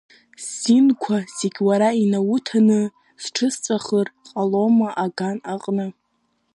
Сзинқәа зегь уара инауҭаны, сҽысҵәахыр ҟалома аган аҟны?